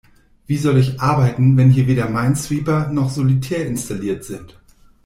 Wie soll ich arbeiten, wenn hier weder Minesweeper noch Solitär installiert sind?